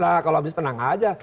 nah kalau habis tenang saja